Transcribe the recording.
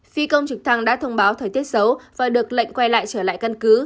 phi công trực thăng đã thông báo thời tiết xấu và được lệnh quay lại trở lại căn cứ